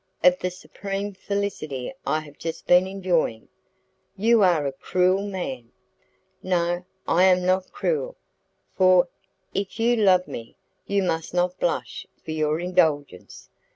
"Of the supreme felicity I have just been enjoying." "You are a cruel man." "No, I am not cruel, for, if you love me, you must not blush for your indulgence.